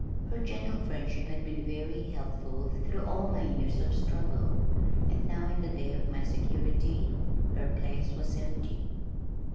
Her gentle friendship had been very helpful through all my years of struggle and now in the day of my security, her place was empty.